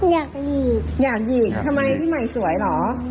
อยากไปหยีกอยากหยีกทำไมพี่ใหม่สวยเหรอ